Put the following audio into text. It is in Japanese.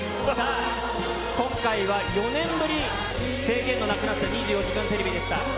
今回は４年ぶり、制限のなくなった２４時間テレビでした。